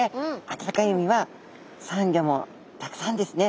あたたかい海はサンギョもたくさんですね。